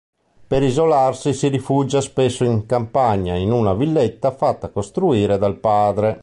Per isolarsi si rifugia spesso in campagna, in una villetta fatta costruire dal padre.